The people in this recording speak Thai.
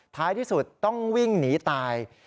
ท้ายที่สุดต้องวิ่งหนีตาย